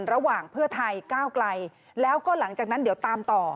ระหว่างเพื่อไทยก้าวไกลแล้วก็หลังจากนั้นเดี๋ยวตามต่อ